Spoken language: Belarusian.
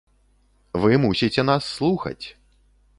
Вы мусіце нас слухаць!